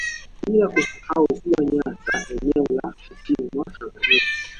Bila kusahau ziwa Nyasa eneo la kusini mwa Tanzania